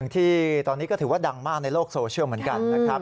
ที่ตอนนี้ก็ถือว่าดังมากในโลกโซเชียลเหมือนกันนะครับ